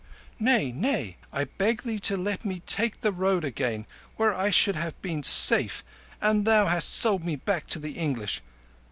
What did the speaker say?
"Nay, nay! I begged thee to let me take the Road again, where I should have been safe; and thou hast sold me back to the English.